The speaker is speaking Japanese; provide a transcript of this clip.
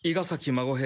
孫兵